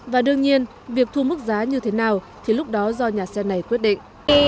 và đương nhiên việc thu mức giá như thế nào thì lúc đó do nhà xe này quyết định